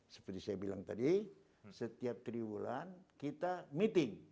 seperti saya bilang tadi setiap tribulan kita meeting